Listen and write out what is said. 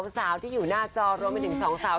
สาวที่อยู่หน้าจอรวมไปถึงสองสาว